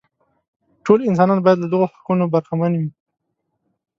ټول انسانان باید له دغو حقونو برخمن وي.